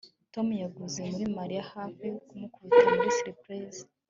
Tom yaguye muri Mariya hafi kumukubita muri pisine